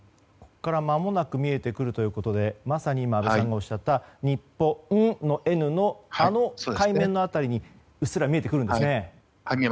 まもなく見えてくるということでまさに今安倍さんがおっしゃった「Ｎ」のあの海面の辺りにうっすら見えてくるんですね。